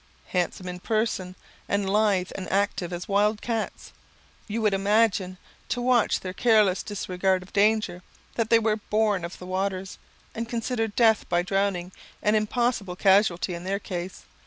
Handsome in person, and lithe and active as wild cats, you would imagine, to watch their careless disregard of danger, that they were born of the waters, and considered death by drowning an impossible casualty in their case.